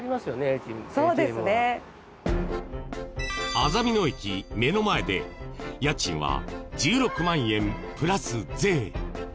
あざみ野駅、目の前で家賃は１６万円プラス税。